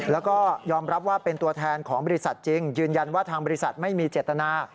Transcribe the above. แล้วก็ยอมรับว่าเป็นตัวแทนของบริษัทจริงยืนยันว่าทางบริษัทไม่มีเจตนา